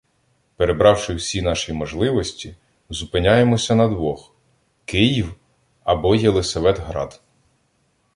Перебравши всі наші можливості, зупиняємося на двох: Київ або Єлисаветград.